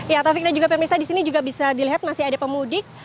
ya taufik dan juga pemirsa di sini juga bisa dilihat masih ada pemudik